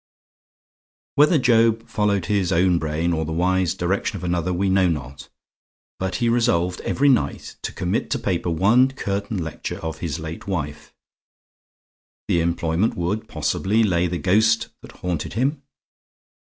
Whether Job followed his own brain, or the wise direction of another, we know not. But he resolved every night to commit to paper one curtain lecture of his late wife. The employment would, possibly, lay the ghost that haunted him.